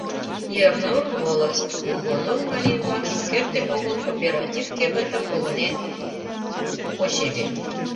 Ернур волость, Кугунур марий-влак шукерте огыл кооператив кевытым погынен почеве.